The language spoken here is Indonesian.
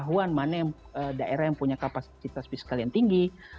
dari peta kapasitas fiskalnya itu ketahuan mana daerah yang punya kapasitas fiskalnya yang tinggi